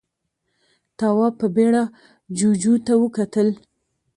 تواب په بيړه جُوجُو ته وکتل.